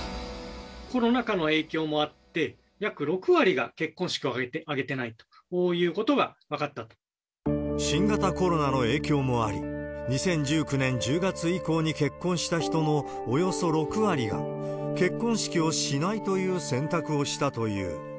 コロナ禍の影響もあって、約６割が結婚式を挙げてないという新型コロナの影響もあり、２０１９年１０月以降に結婚した人のおよそ６割が、結婚式をしないという選択をしたという。